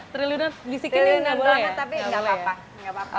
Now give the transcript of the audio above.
triliunan bisikin ini boleh ya